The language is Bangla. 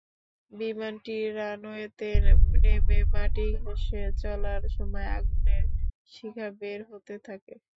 বিমানটি রানওয়েতে নেমে মাটি ঘেঁষে চলার সময় আগুনের শিখা বের হতে থাকে।